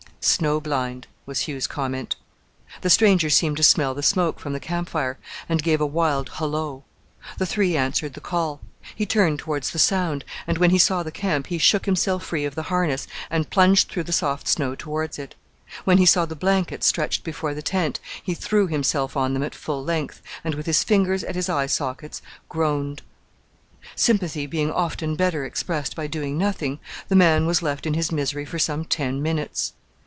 "Snow blind," was Hugh's comment. The stranger seemed to smell the smoke from the camp fire, and gave a wild "Hullo!" The three answered the call. He turned towards the sound, and when he saw the camp he shook himself free of the harness and plunged through the soft snow towards it. When he saw the blankets stretched before the tent he threw himself on them at full length, and with his fingers at his eye sockets groaned. Sympathy being often better expressed by doing nothing, the man was left in his misery for some ten minutes.